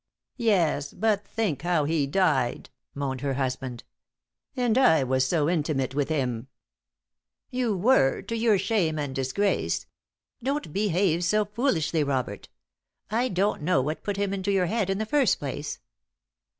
"Yes; but think how he died," moaned her husband. "And I was so intimate with him." "You were to your shame and disgrace. Don't behave so foolishly, Robert. I don't know what put him into your head in the first place."